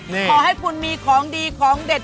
ขอให้คุณมีของดีของเด็ด